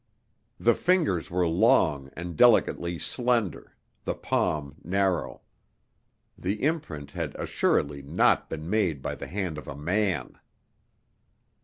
The fingers were long and delicately slender, the palm narrow. The imprint had assuredly not been made by the hand of a man!